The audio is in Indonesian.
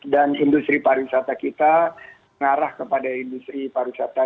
dan industri pariwisata kita mengarah kepada industri pariwisata